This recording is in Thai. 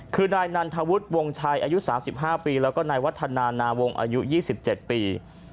คือนายนันทวุฒิวงชัยอายุ๓๕ปีแล้วก็นายวัฒนานาวงศ์อายุ๒๗ปี